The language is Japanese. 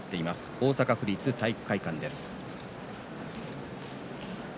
大阪府立体育会館です。